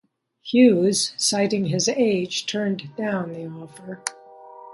Hughes, citing his age, turned down the offer.